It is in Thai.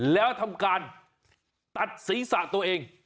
แล้วทำการตัดศีรษะตัวเอง